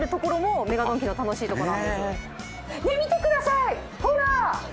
ねえ見てくださいほら！